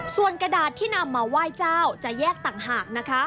ส่วนกระดาษที่นำมาไหว้เจ้าจะแยกต่างหากนะคะ